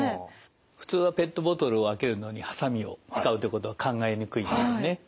普通はペットボトルを開けるのにハサミを使うということは考えにくいですよね。